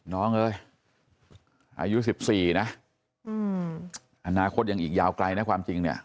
น้องเอออายุสิบสี่นะอืมอนาคตยังอีกยาวไกลนะความจริงเนี่ย